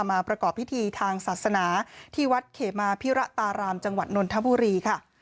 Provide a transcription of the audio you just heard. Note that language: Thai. มาประกอบพิธีทางศาสนาที่วัดเขมาพิระตารามจังหวัดนนทบุรีค่ะ